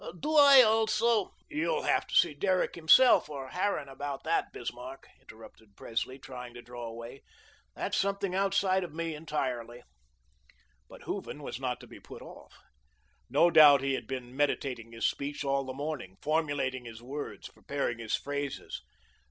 Do I alzoh " "You'll have to see Derrick himself or Harran about that, Bismarck," interrupted Presley, trying to draw away. "That's something outside of me entirely." But Hooven was not to be put off. No doubt he had been meditating his speech all the morning, formulating his words, preparing his phrases.